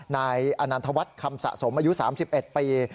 นายอนันทวัฒน์คำสะสมอายุ๓๑ปี